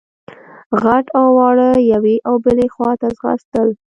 غټ او واړه يوې او بلې خواته ځغاستل.